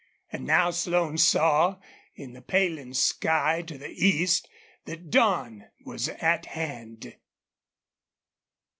And now Slone saw, in the paling sky to the east, that dawn was at hand.